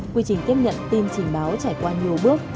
quy trình tiếp nhận tin trình báo trải qua nhiều bước